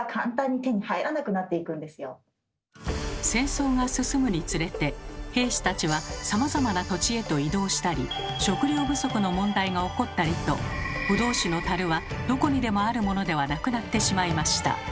戦争が進むにつれて兵士たちはさまざまな土地へと移動したり食料不足の問題が起こったりとブドウ酒のタルはどこにでもあるものではなくなってしまいました。